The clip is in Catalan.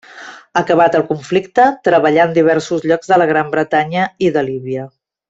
Acabat el conflicte, treballà en diversos llocs de la Gran Bretanya i de Líbia.